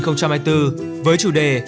năm hai nghìn hai mươi bốn với chủ đề